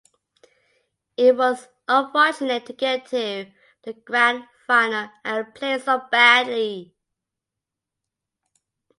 It was unfortunate to get to the Grand Final and play so badly.